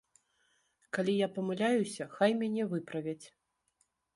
Калі я памыляюся, хай мяне выправяць.